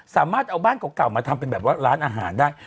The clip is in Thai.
สามารถเอาบ้านเก่ามาทำเป็นแบบว่าร้านอาหารได้